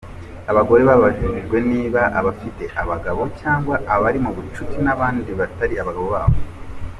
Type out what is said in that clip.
Abagore babajijwe ni abafite abagabo, cyangwa abari mu bucuti n’abandi batari abagabo babo.